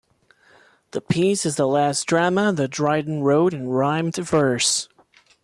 The piece is the last drama that Dryden wrote in rhymed verse.